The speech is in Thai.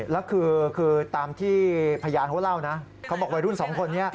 แล้วคือตามที่พยานเขาเล่านะเขาบอกวัยรุ่นสองคนนี้